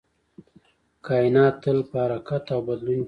کائنات تل په حرکت او بدلون کې دی